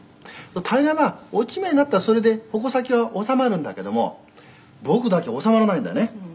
「大概まあ落ち目になったらそれで矛先は収まるんだけども僕だけ収まらないんだよね」